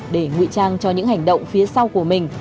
để ngụy trang cho những hành động phía sau của mình